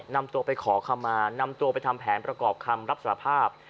นำตัวไปขอคำมานำตัวไปทำแผนประกอบคำรับสารภาพ